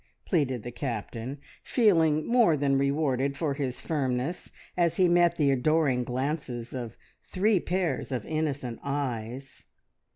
pleaded the Captain, feeling more than rewarded for his firmness as he met the adoring glances of three pairs of innocent eyes.